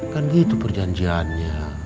kan gitu perjanjiannya